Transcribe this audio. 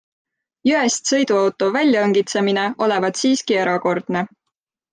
Jõest sõiduauto väljaõngitsemine olevat siiski erakordne.